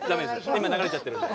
今、流れちゃってるんで。